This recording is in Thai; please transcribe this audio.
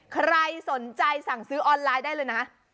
ใครสนใจสั่งซื้อออนไลน์ได้เลยนะ